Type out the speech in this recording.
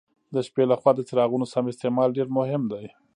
د شپې له خوا د څراغونو سم استعمال ډېر مهم دی.